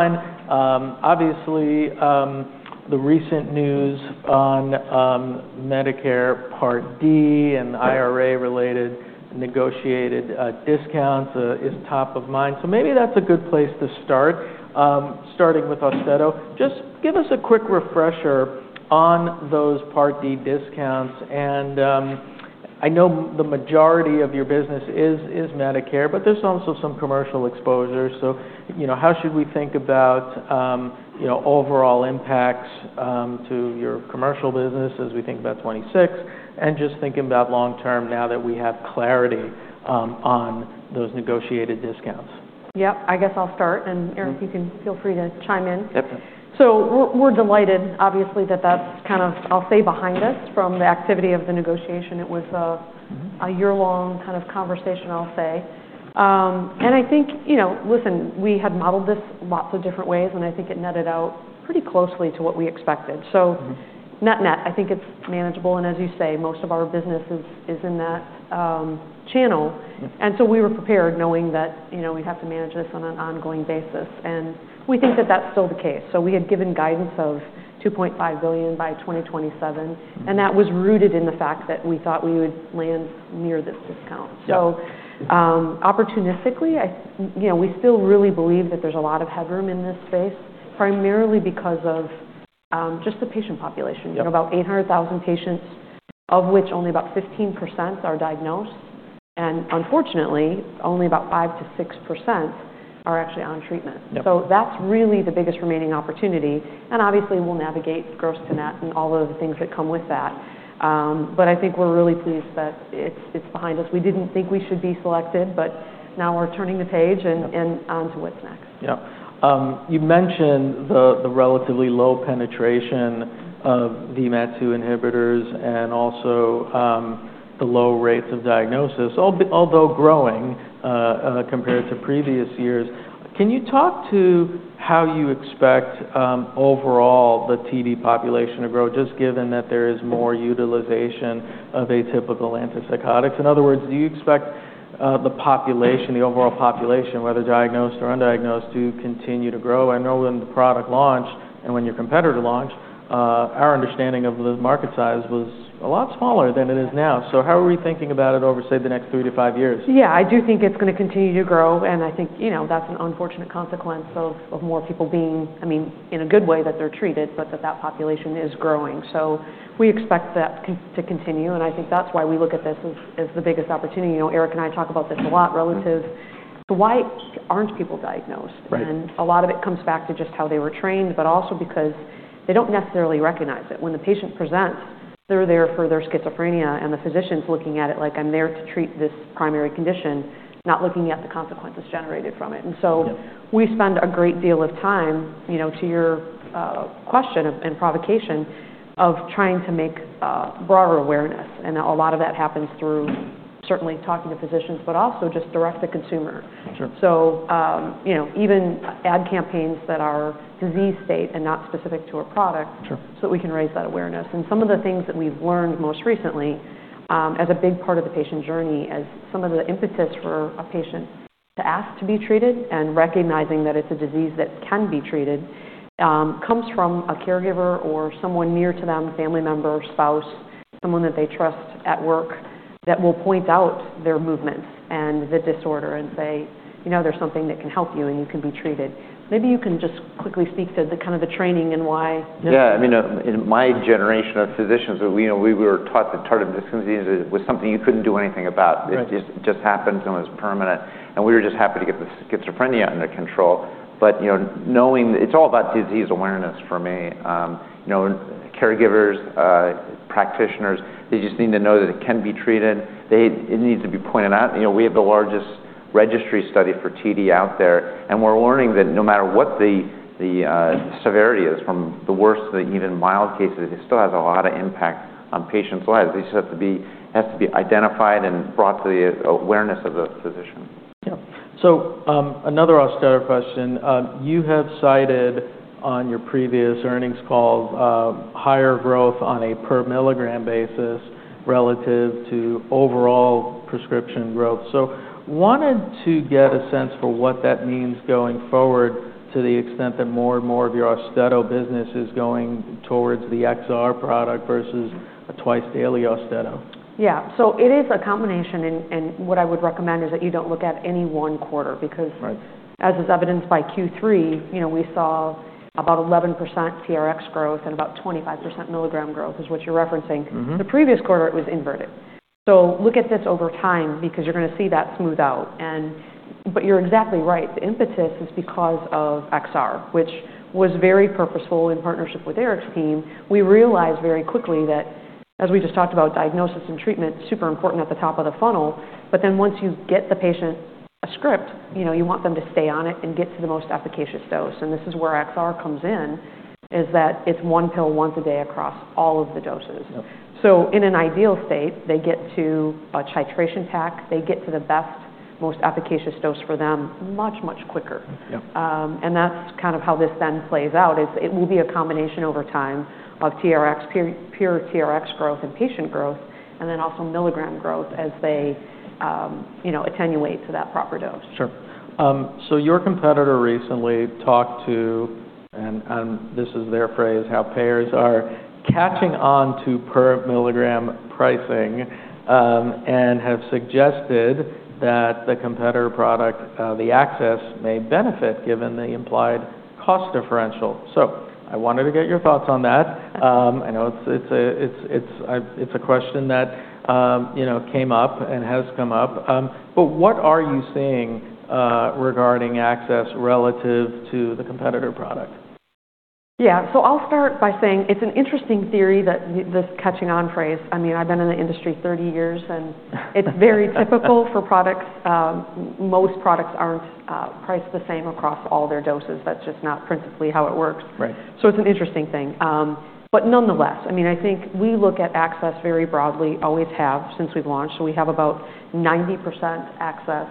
Time. Obviously, the recent news on Medicare Part D and IRA-related negotiated discounts is top of mind. So maybe that's a good place to start, starting with AUSTEDO. Just give us a quick refresher on those Part D discounts. And I know the majority of your business is Medicare, but there's also some commercial exposure. So how should we think about overall impacts to your commercial business as we think about 2026? And just thinking about long-term now that we have clarity on those negotiated discounts. Yep. I guess I'll start, and Eric, you can feel free to chime in. Yep. We're delighted, obviously, that that's kind of, I'll say, behind us from the activity of the negotiation. It was a year-long kind of conversation, I'll say. And I think, listen, we had modeled this lots of different ways, and I think it netted out pretty closely to what we expected. So net-net, I think it's manageable. And as you say, most of our business is in that channel. And so we were prepared knowing that we'd have to manage this on an ongoing basis. And we think that that's still the case. So we had given guidance of $2.5 billion by 2027, and that was rooted in the fact that we thought we would land near this discount. So opportunistically, we still really believe that there's a lot of headroom in this space, primarily because of just the patient population. About 800,000 patients, of which only about 15% are diagnosed, and unfortunately, only about 5%-6% are actually on treatment, so that's really the biggest remaining opportunity, and obviously, we'll navigate gross to net and all of the things that come with that, but I think we're really pleased that it's behind us. We didn't think we should be selected, but now we're turning the page and on to what's next. Yeah. You mentioned the relatively low penetration of VMAT2 inhibitors and also the low rates of diagnosis, although growing compared to previous years. Can you talk to how you expect overall the TD population to grow, just given that there is more utilization of atypical antipsychotics? In other words, do you expect the population, the overall population, whether diagnosed or undiagnosed, to continue to grow? I know when the product launched and when your competitor launched, our understanding of the market size was a lot smaller than it is now. So how are we thinking about it over, say, the next three to five years? Yeah, I do think it's going to continue to grow. And I think that's an unfortunate consequence of more people being, I mean, in a good way that they're treated, but that population is growing. So we expect that to continue. And I think that's why we look at this as the biggest opportunity. Eric and I talk about this a lot relative to why aren't people diagnosed. And a lot of it comes back to just how they were trained, but also because they don't necessarily recognize it. When the patient presents, they're there for their schizophrenia. And the physician's looking at it like, "I'm there to treat this primary condition," not looking at the consequences generated from it. And so we spend a great deal of time, to your question and provocation, of trying to make broader awareness. A lot of that happens through certainly talking to physicians, but also just direct to consumer. Even ad campaigns that are disease state and not specific to a product so that we can raise that awareness. Some of the things that we've learned most recently as a big part of the patient journey, as some of the impetus for a patient to ask to be treated and recognizing that it's a disease that can be treated, comes from a caregiver or someone near to them, family member, spouse, someone that they trust at work that will point out their movements and the disorder and say, "There's something that can help you and you can be treated." Maybe you can just quickly speak to kind of the training and why. Yeah. I mean, in my generation of physicians, we were taught that tardive dyskinesia was something you couldn't do anything about. It just happened and was permanent. And we were just happy to get the schizophrenia under control. But knowing it's all about disease awareness for me. Caregivers, practitioners, they just need to know that it can be treated. It needs to be pointed out. We have the largest registry study for TD out there. And we're learning that no matter what the severity is, from the worst to the even mild cases, it still has a lot of impact on patients' lives. It just has to be identified and brought to the awareness of the physician. Yeah. So another Austedo question. You have cited on your previous earnings call higher growth on a per milligram basis relative to overall prescription growth. So, wanted to get a sense for what that means going forward to the extent that more and more of your AUSTEDO business is going towards the XR product versus a twice-daily AUSTEDO? Yeah. So it is a combination. And what I would recommend is that you don't look at any one quarter because as is evidenced by Q3, we saw about 11% TRx growth and about 25% milligram growth is what you're referencing. The previous quarter, it was inverted. So look at this over time because you're going to see that smooth out. But you're exactly right. The impetus is because of XR, which was very purposeful in partnership with Eric's team. We realized very quickly that, as we just talked about, diagnosis and treatment is super important at the top of the funnel. But then once you get the patient a script, you want them to stay on it and get to the most efficacious dose. And this is where XR comes in, is that it's one pill once a day across all of the doses. In an ideal state, they get to a titration pack. They get to the best, most efficacious dose for them much, much quicker. That's kind of how this then plays out. It will be a combination over time of pure TRx growth and patient growth, and then also milligram growth as they titrate to that proper dose. Sure. So your competitor recently talked to, and this is their phrase, how payers are catching on to per milligram pricing and have suggested that the competitor product, the AXIS, may benefit given the implied cost differential. So I wanted to get your thoughts on that. I know it's a question that came up and has come up. But what are you seeing regarding AXIS relative to the competitor product? Yeah. So I'll start by saying it's an interesting theory that this catching on phrase. I mean, I've been in the industry 30 years, and it's very typical for products. Most products aren't priced the same across all their doses. That's just not principally how it works. So it's an interesting thing. But nonetheless, I mean, I think we look at AXIS very broadly, always have since we've launched. So we have about 90% access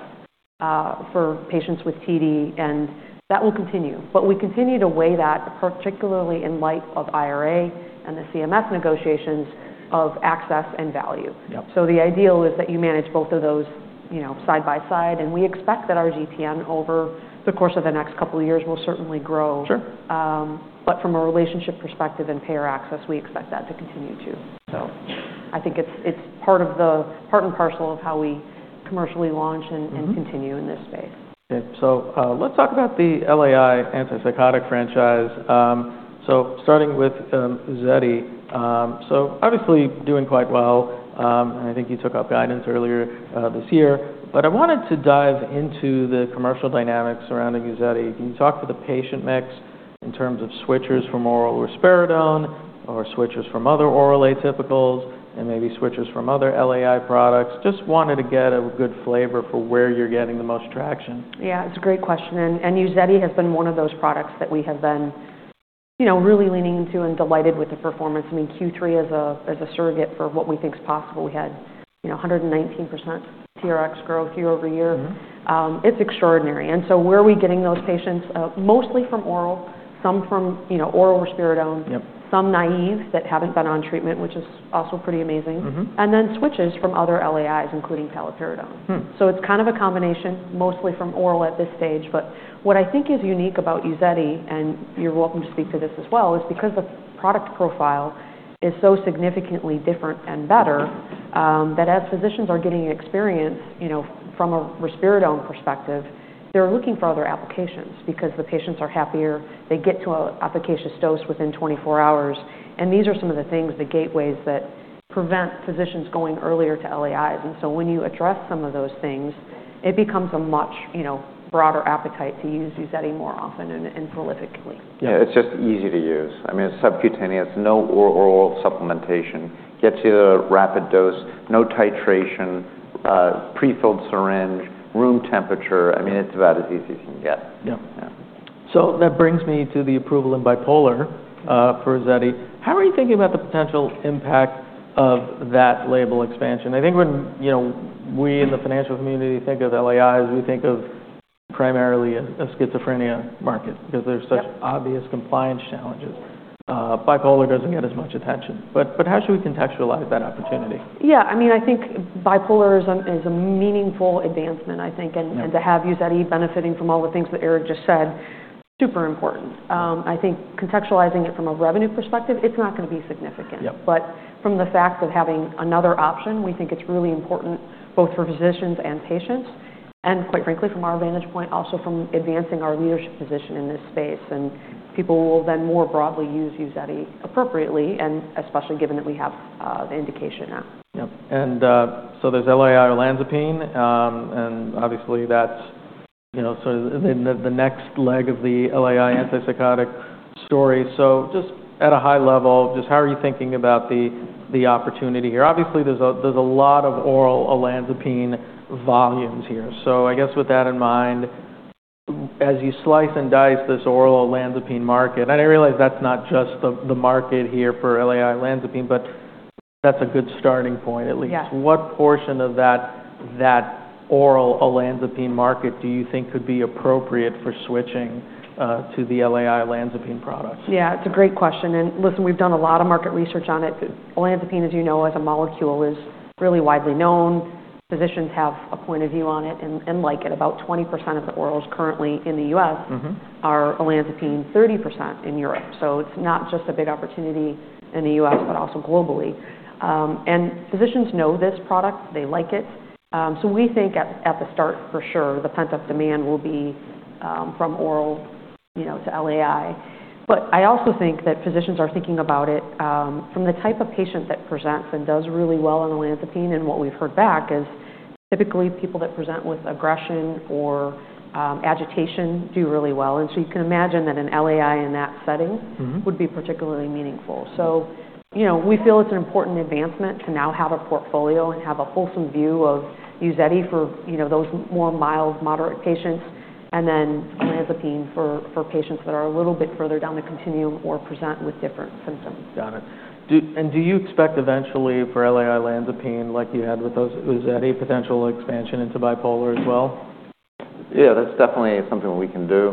for patients with TD, and that will continue. But we continue to weigh that, particularly in light of IRA and the CMS negotiations of AUSTEDO XR and value. So the ideal is that you manage both of those side by side. And we expect that our GTN over the course of the next couple of years will certainly grow. But from a relationship perspective and payer access, we expect that to continue too. So I think it's part and parcel of how we commercially launch and continue in this space. Let's talk about the LAI antipsychotic franchise. Starting with UZEDY. Obviously doing quite well. I think you took up guidance earlier this year. I wanted to dive into the commercial dynamics surrounding UZEDY. Can you talk to the patient mix in terms of switchers from oral risperidone or switchers from other oral atypicals and maybe switchers from other LAI products? Just wanted to get a good flavor for where you're getting the most traction. Yeah. It's a great question. And UZEDY has been one of those products that we have been really leaning into and delighted with the performance. I mean, Q3 as a surrogate for what we think is possible. We had 119% TRX growth year-over-year. It's extraordinary. And so where are we getting those patients? Mostly from oral, some from oral risperidone, some naive that haven't been on treatment, which is also pretty amazing. And then switches from other LAIs, including paliperidone. So it's kind of a combination mostly from oral at this stage. But what I think is unique about UZEDY, and you're welcome to speak to this as well, is because the product profile is so significantly different and better that as physicians are getting experience from a risperidone perspective, they're looking for other applications because the patients are happier. They get to an efficacious dose within 24 hours, and these are some of the things, the gateways that prevent physicians going earlier to LAIs, and so when you address some of those things, it becomes a much broader appetite to use UZEDY more often and prolifically. Yeah. It's just easy to use. I mean, it's subcutaneous. No oral supplementation. Gets you a rapid dose. No titration. Pre-filled syringe. Room temperature. I mean, it's about as easy as you can get. Yeah. So that brings me to the approval in bipolar for UZEDY. How are you thinking about the potential impact of that label expansion? I think when we in the financial community think of LAIs, we think of primarily a schizophrenia market because there's such obvious compliance challenges. Bipolar doesn't get as much attention. But how should we contextualize that opportunity? Yeah. I mean, I think bipolar is a meaningful advancement, I think. To have UZEDY benefiting from all the things that Eric just said is super important. I think contextualizing it from a revenue perspective, it's not going to be significant. From the fact of having another option, we think it's really important both for physicians and patients. Quite frankly, from our vantage point, also from advancing our leadership position in this space. People will then more broadly use UZEDY appropriately, and especially given that we have the indication now. Yeah. And so there's LAI olanzapine. And obviously, that's sort of the next leg of the LAI antipsychotic story. So just at a high level, just how are you thinking about the opportunity here? Obviously, there's a lot of oral olanzapine volumes here. So I guess with that in mind, as you slice and dice this oral olanzapine market, and I realize that's not just the market here for LAI olanzapine, but that's a good starting point, at least. What portion of that oral olanzapine market do you think could be appropriate for switching to the LAI olanzapine products? Yeah. It's a great question. And listen, we've done a lot of market research on it. Olanzapine, as you know, as a molecule, is really widely known. Physicians have a point of view on it and like it. About 20% of the orals currently in the U.S. are olanzapine, 30% in Europe. So it's not just a big opportunity in the U.S., but also globally. And physicians know this product. They like it. So we think at the start, for sure, the pent-up demand will be from oral to LAI. But I also think that physicians are thinking about it from the type of patient that presents and does really well on olanzapine. And what we've heard back is typically people that present with aggression or agitation do really well. And so you can imagine that an LAI in that setting would be particularly meaningful. We feel it's an important advancement to now have a portfolio and have a wholesome view of UZEDY for those more mild, moderate patients, and then olanzapine for patients that are a little bit further down the continuum or present with different symptoms. Got it. And do you expect eventually for LAI olanzapine, like you had with UZEDY, potential expansion into bipolar as well? Yeah. That's definitely something we can do.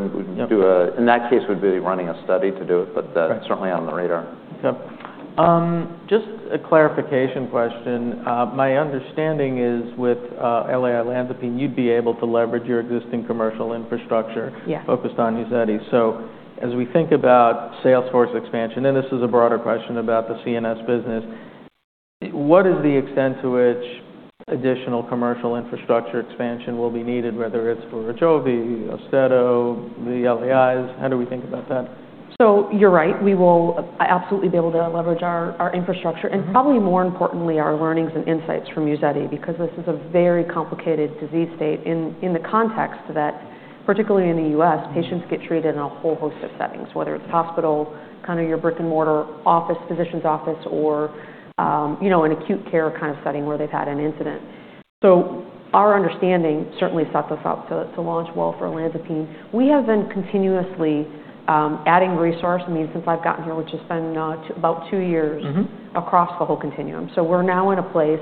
In that case, we'd be running a study to do it, but that's certainly on the radar. Okay. Just a clarification question. My understanding is with LAI olanzapine, you'd be able to leverage your existing commercial infrastructure focused on UZEDY. So as we think about sales force expansion, and this is a broader question about the CNS business, what is the extent to which additional commercial infrastructure expansion will be needed, whether it's for Ajovy, AUSTEDO, the LAIs? How do we think about that? So you're right. We will absolutely be able to leverage our infrastructure and probably more importantly, our learnings and insights from UZEDY because this is a very complicated disease state in the context that, particularly in the U.S., patients get treated in a whole host of settings, whether it's hospital, kind of your brick-and-mortar office, physician's office, or an acute care kind of setting where they've had an incident. So our understanding certainly set this up to launch well for olanzapine. We have been continuously adding resources. I mean, since I've gotten here, which has been about two years across the whole continuum. So we're now in a place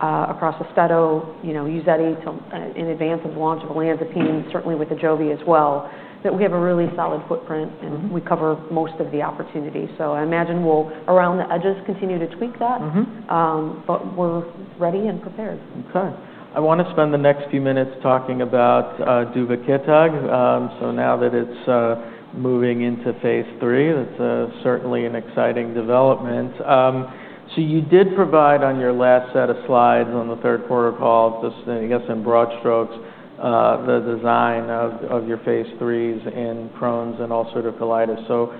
across AUSTEDO, UZEDY, in advance of launch of olanzapine, certainly with Ajovy as well, that we have a really solid footprint and we cover most of the opportunity. So I imagine we'll, around the edges, continue to tweak that. But we're ready and prepared. Okay. I want to spend the next few minutes talking about Duvakitug. So now that it's moving into phase III, that's certainly an exciting development. So you did provide on your last set of slides on the third quarter call, just I guess in broad strokes, the design of your phase IIIs in Crohn's and ulcerative colitis. So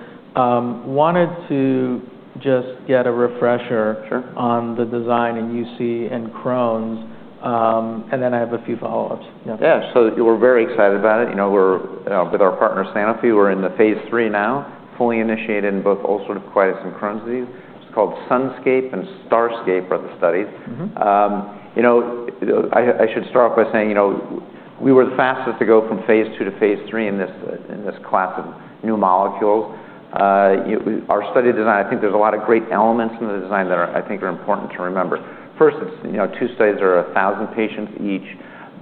wanted to just get a refresher on the design in UC and Crohn's. And then I have a few follow-ups. Yeah. Yeah. So we're very excited about it. With our partner, Sanofi, we're in the phase III now, fully initiated in both ulcerative colitis and Crohn's disease. It's called SUNSCAPE and STARSCAPE are the studies. I should start off by saying we were the fastest to go from phase II to phase III in this class of new molecules. Our study design, I think there's a lot of great elements in the design that I think are important to remember. First, two studies are 1,000 patients each.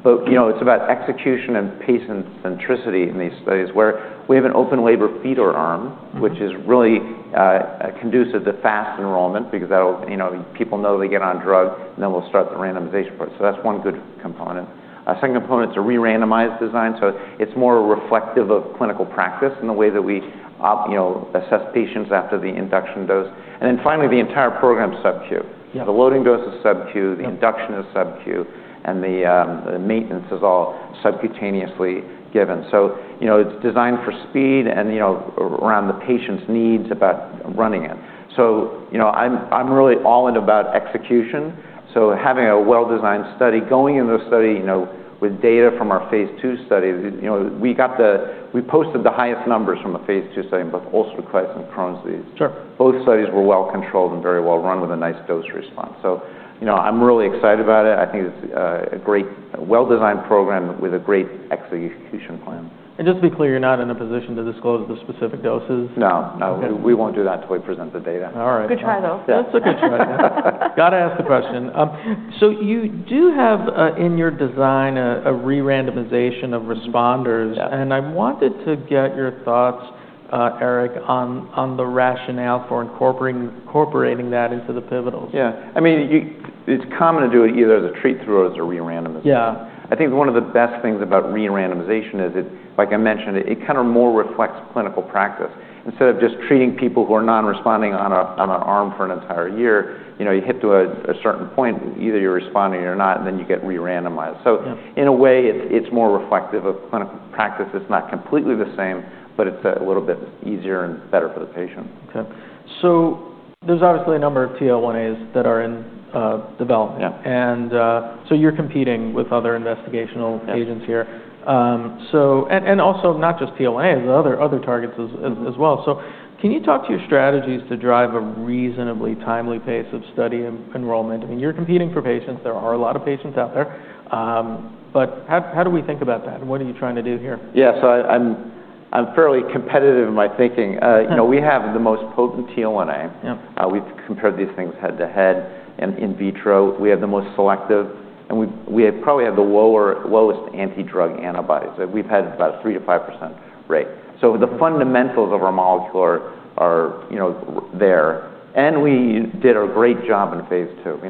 But it's about execution and patient centricity in these studies where we have an open-label feeder arm, which is really conducive to fast enrollment because people know they get on drug, and then we'll start the randomization part. So that's one good component. Second component is a re-randomized design. So it's more reflective of clinical practice in the way that we assess patients after the induction dose. And then finally, the entire program is SubQ. The loading dose is SubQ. The induction is SubQ. And the maintenance is all subcutaneously given. So it's designed for speed and around the patient's needs about running it. So I'm really all in about execution. So having a well-designed study, going into a study with data from our phase II study, we posted the highest numbers from a phase II study in both ulcerative colitis and Crohn's disease. Both studies were well controlled and very well run with a nice dose response. So I'm really excited about it. I think it's a great well-designed program with a great execution plan. Just to be clear, you're not in a position to disclose the specific doses? No. No. We won't do that until we present the data. All right. Good try, though. That's a good try. Got to ask the question. So you do have in your design a re-randomization of responders. And I wanted to get your thoughts, Eric, on the rationale for incorporating that into the pivotals. Yeah. I mean, it's common to do it either as a treat through or as a re-randomization. I think one of the best things about re-randomization is, like I mentioned, it kind of more reflects clinical practice. Instead of just treating people who are non-responding on an arm for an entire year, you hit to a certain point, either you're responding or you're not, and then you get re-randomized. So in a way, it's more reflective of clinical practice. It's not completely the same, but it's a little bit easier and better for the patient. Okay. So there's obviously a number of TL1As that are in development. And so you're competing with other investigational agents here. And also not just TL1As, other targets as well. So can you talk to your strategies to drive a reasonably timely pace of study enrollment? I mean, you're competing for patients. There are a lot of patients out there. But how do we think about that? And what are you trying to do here? Yeah. So I'm fairly competitive in my thinking. We have the most potent TL1A. We've compared these things head-to-head and in vitro. We have the most selective. And we probably have the lowest anti-drug antibodies. We've had about a 3%-5% rate. So the fundamentals of our molecule are there. And we did a great job in phase II.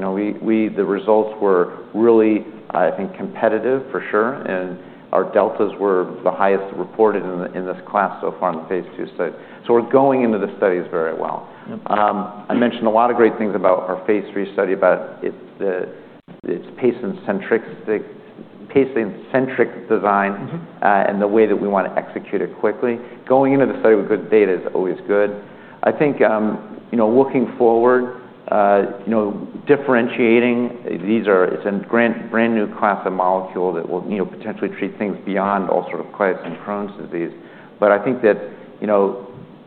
The results were really, I think, competitive for sure. And our deltas were the highest reported in this class so far in the phase II study. So we're going into the studies very well. I mentioned a lot of great things about our phase III study about its patient-centric design and the way that we want to execute it quickly. Going into the study with good data is always good. I think looking forward, differentiating, it's a brand new class of molecule that will potentially treat things beyond ulcerative colitis and Crohn's disease. But I think that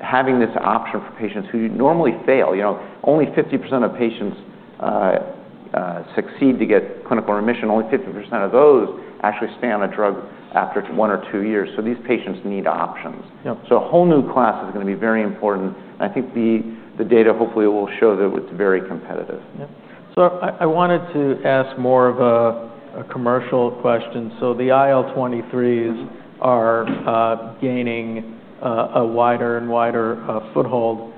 having this option for patients who normally fail, only 50% of patients succeed to get clinical remission. Only 50% of those actually stay on a drug after one or two years. So these patients need options. So a whole new class is going to be very important. And I think the data hopefully will show that it's very competitive. Yeah. So I wanted to ask more of a commercial question. So the IL-23s are gaining a wider and wider foothold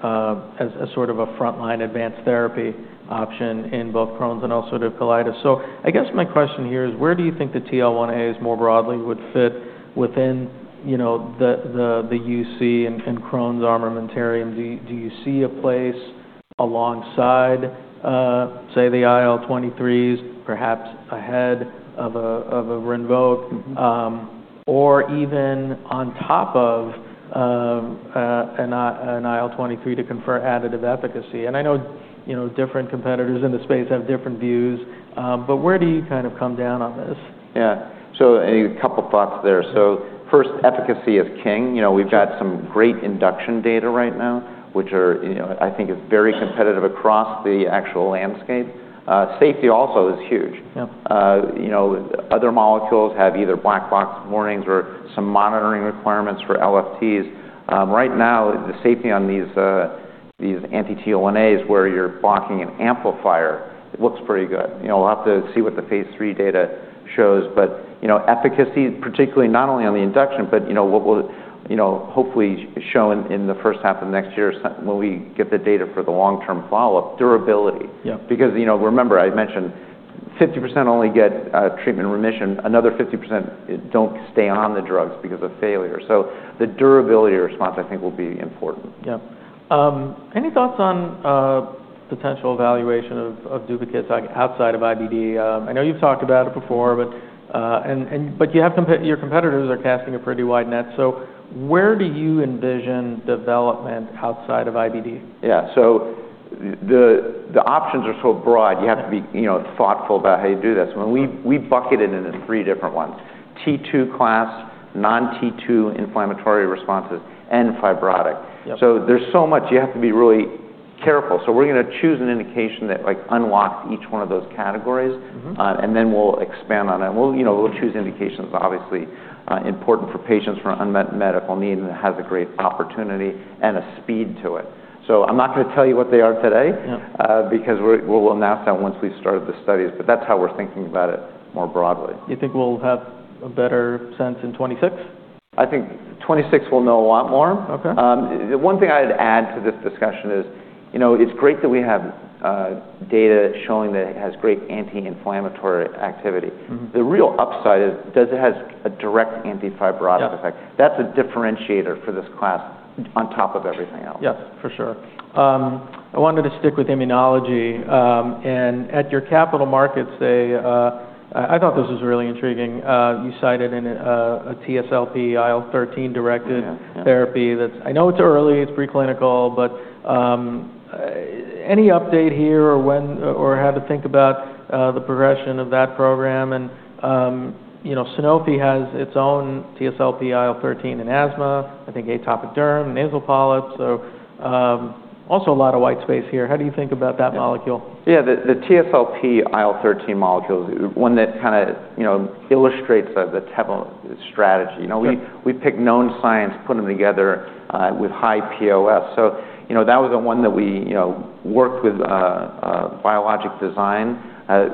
as sort of a frontline advanced therapy option in both Crohn's and ulcerative colitis. So I guess my question here is, where do you think the TL1As more broadly would fit within the UC and Crohn's armamentarium? Do you see a place alongside, say, the IL-23s, perhaps ahead of a Rinvoq, or even on top of an IL-23 to confer additive efficacy? And I know different competitors in the space have different views. But where do you kind of come down on this? Yeah. So a couple of thoughts there. So first, efficacy is king. We've got some great induction data right now, which I think is very competitive across the actual landscape. Safety also is huge. Other molecules have either black box warnings or some monitoring requirements for LFTs. Right now, the safety on these anti-TL1As where you're blocking an amplifier, it looks pretty good. We'll have to see what the phase 3 data shows. But efficacy, particularly not only on the induction, but what will hopefully show in the first half of next year when we get the data for the long-term follow-up, durability. Because remember, I mentioned 50% only get treatment remission. Another 50% don't stay on the drugs because of failure. So the durability response, I think, will be important. Yeah. Any thoughts on potential evaluation of Duvakitug outside of IBD? I know you've talked about it before, but your competitors are casting a pretty wide net. So where do you envision development outside of IBD? Yeah. So the options are so broad, you have to be thoughtful about how you do this. We bucketed it into three different ones: T2 class, non-T2 inflammatory responses, and fibrotic. So there's so much you have to be really careful. So we're going to choose an indication that unlocks each one of those categories, and then we'll expand on it. We'll choose indications that are obviously important for patients for unmet medical need and has a great opportunity and a speed to it. So I'm not going to tell you what they are today because we'll announce that once we've started the studies. But that's how we're thinking about it more broadly. You think we'll have a better sense in 2026? I think 2026 we'll know a lot more. The one thing I'd add to this discussion is it's great that we have data showing that it has great anti-inflammatory activity. The real upside is it has a direct anti-fibrotic effect. That's a differentiator for this class on top of everything else. Yeah. For sure. I wanted to stick with immunology. And at your capital markets, I thought this was really intriguing. You cited a TSLP IL-13 directed therapy that's, I know, it's early, it's preclinical, but any update here or how to think about the progression of that program? And Sanofi has its own TSLP IL-13 in asthma, I think atopic derm, nasal polyps. So also a lot of white space here. How do you think about that molecule? Yeah. The TSLP IL-13 molecule is one that kind of illustrates the strategy. We picked known science, put them together with high POS. So that was the one that we worked with Biolojic Design.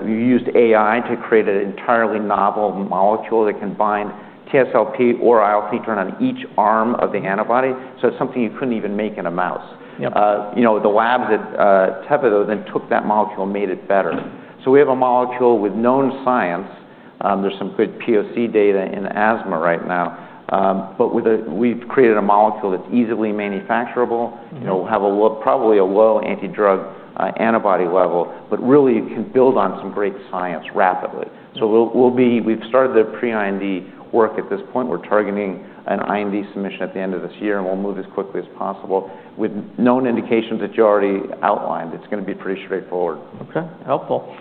We used AI to create an entirely novel molecule that can bind TSLP or IL-13 turn on each arm of the antibody. So it's something you couldn't even make in a mouse. The labs at Teva, though, then took that molecule and made it better. So we have a molecule with known science. There's some good POC data in asthma right now. But we've created a molecule that's easily manufacturable. We'll have probably a low anti-drug antibody level, but really can build on some great science rapidly. So we've started the pre-IND work at this point. We're targeting an IND submission at the end of this year, and we'll move as quickly as possible with known indications that you already outlined. It's going to be pretty straightforward. Okay. Helpful.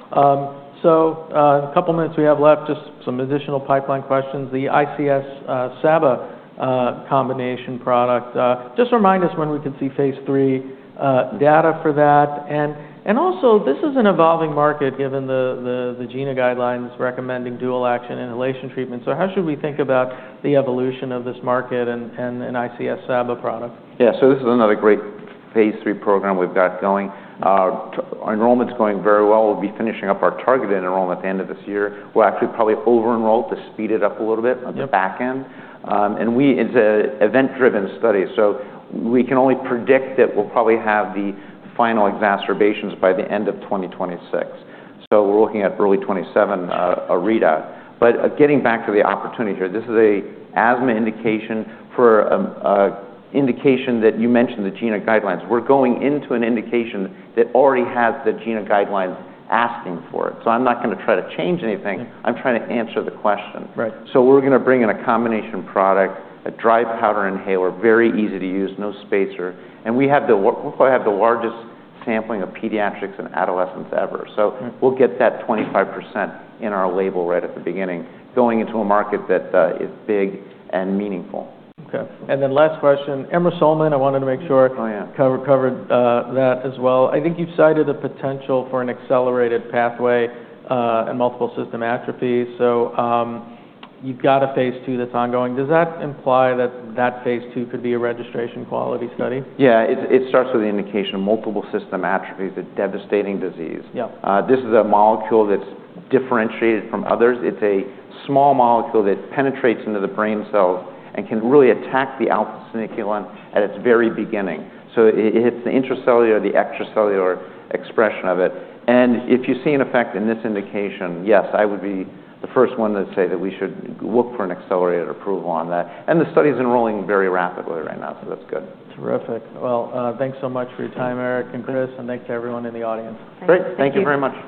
So a couple of minutes we have left, just some additional pipeline questions. The ICS-SABA combination product, just remind us when we could see phase III data for that. And also, this is an evolving market given the GINA guidelines recommending dual-action inhalation treatment. So how should we think about the evolution of this market and ICS-SABA product? Yeah. So this is another great phase 3 program we've got going. Enrollment's going very well. We'll be finishing up our targeted enrollment at the end of this year. We'll actually probably over-enroll to speed it up a little bit on the back end. And it's an event-driven study. So we can only predict that we'll probably have the final exacerbations by the end of 2026. So we're looking at early 2027, a readout. But getting back to the opportunity here, this is an asthma indication for an indication that you mentioned the GINA guidelines. We're going into an indication that already has the GINA guidelines asking for it. So I'm not going to try to change anything. I'm trying to answer the question. So we're going to bring in a combination product, a dry powder inhaler, very easy to use, no spacer. We'll probably have the largest sampling of pediatrics and adolescents ever. We'll get that 25% in our label right at the beginning, going into a market that is big and meaningful. Okay. And then last question. I wanted to make sure covered that as well. I think you've cited the potential for an accelerated pathway and multiple system atrophy. So you've got a phase two that's ongoing. Does that imply that that phase two could be a registration quality study? Yeah. It starts with the indication of multiple system atrophy. It's a devastating disease. This is a molecule that's differentiated from others. It's a small molecule that penetrates into the brain cells and can really attack the alpha-synuclein at its very beginning. So it hits the intracellular, the extracellular expression of it. And if you see an effect in this indication, yes, I would be the first one to say that we should look for an accelerated approval on that. And the study is enrolling very rapidly right now, so that's good. Terrific. Well, thanks so much for your time, Eric and Chris, and thanks to everyone in the audience. Great. Thank you very much.